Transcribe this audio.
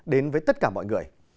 đến với tất cả mọi người